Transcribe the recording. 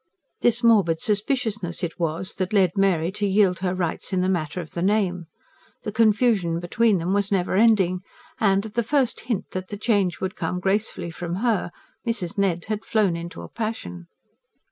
This morbid suspiciousness it was that led Mary to yield her rights in the matter of the name: the confusion between them was never ending; and, at the first hint that the change would come gracefully from her, Mrs. Ned had flown into a passion.